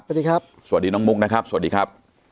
สวัสดีครับสวัสดีน้องมุกนะครับสวัสดีครับ